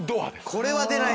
これは出ない。